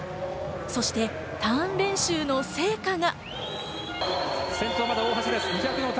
そしてターン練習の成果が。